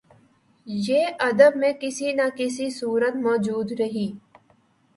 یہ ادب میں کسی نہ کسی صورت موجود رہی